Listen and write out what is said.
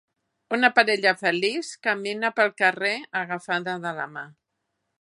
Una parella feliç camina pel carrer agafada de la mà.